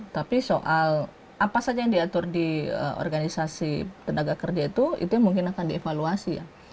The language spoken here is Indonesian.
tapi soal apa saja yang diatur di organisasi tenaga kerja itu itu yang mungkin akan dievaluasi ya